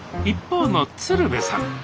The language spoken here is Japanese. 一方の鶴瓶さん。